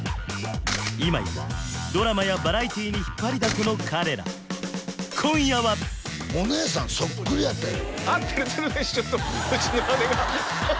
今やドラマやバラエティーに引っ張りだこの彼ら今夜は大恋愛よ